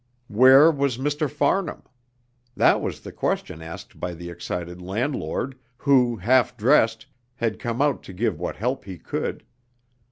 Where was Mr. Farnham? That was the question asked by the excited landlord, who, half dressed, had come out to give what help he could.